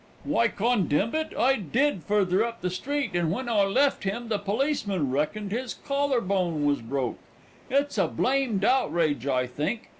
"Why, condemb it, I did futher up the street, and when I left him the policeman reckoned his collar bone was broke. It's a blamed outrage, I think.